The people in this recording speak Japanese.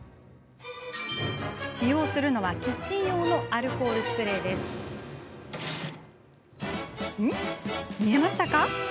使用するのはキッチン用のアルコールスプレー。見えましたか？